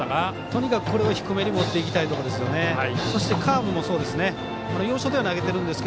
とにかくこれを低めに持っていきたいです。